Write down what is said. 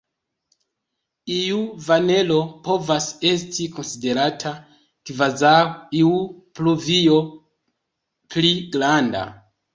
Iu vanelo povas esti konsiderata kvazaŭ iu pluvio pli granda.